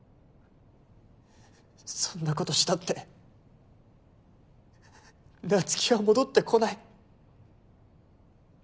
そんなことしたって菜月は戻ってこない！